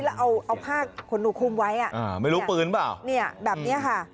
แล้วเอาเอาผ้าขนหนูคุมไว้อ่ะอ่าไม่รู้ปืนเปล่าเนี่ยแบบเนี้ยค่ะ